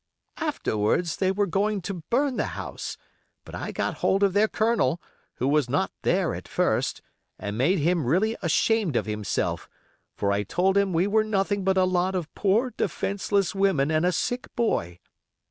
] Afterwards they were going to burn the house, but I got hold of their colonel, who was not there at first, and made him really ashamed of himself; for I told him we were nothing but a lot of poor defenceless women and a sick boy.